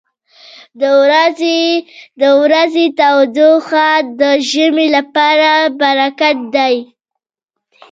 • د ورځې تودوخه د ژمي لپاره برکت دی.